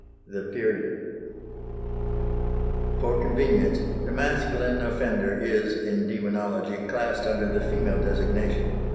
THE PERIOD For convenience, the masculine offender is in demonology classed under the female designation.